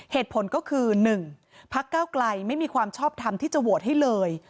เหตุผลก็คือ๑พักเก้าไกลไม่มีความชอบทำที่จะโหวตให้เลย